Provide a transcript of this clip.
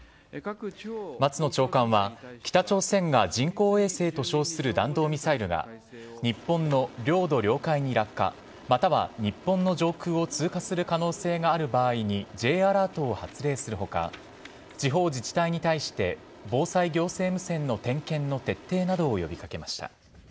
松野長官は、北朝鮮が人工衛星と称する弾道ミサイルが日本の領土、領海に落下、または日本の上空を通過する可能性がある場合にＪアラートを発令するほか、地方自治体に対して防災行政無線の点検の徹底などを呼びかけました。